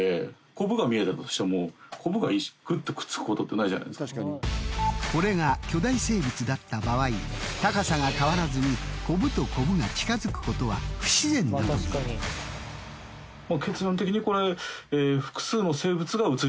あくまでこれが巨大生物だった場合高さが変わらずにコブとコブが近づくことは不自然だという。と思いますね。